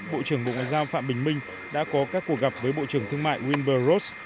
bộ trưởng bộ ngoại giao phạm bình minh đã có các cuộc gặp với bộ trưởng thương mại wilbur ross